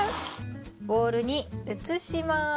ボウルに移します。